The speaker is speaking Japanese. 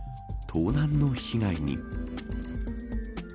盗難の被害に。